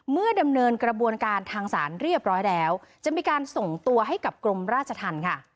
ดำเนินกระบวนการทางศาลเรียบร้อยแล้วจะมีการส่งตัวให้กับกรมราชธรรมค่ะ